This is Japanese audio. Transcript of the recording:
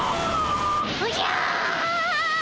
おじゃっ！